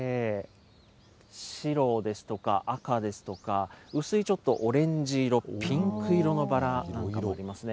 白ですとか、赤ですとか、薄いちょっとオレンジ色、ピンク色のバラなんかもありますね。